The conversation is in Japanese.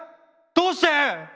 どうして？